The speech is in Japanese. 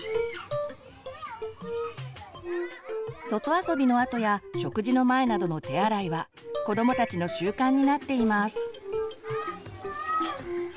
外遊びのあとや食事の前などの手洗いは子どもたちの習慣になっています。